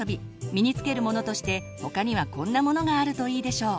身に着けるものとして他にはこんなものがあるといいでしょう。